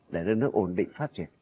để đất nước ổn định phát triển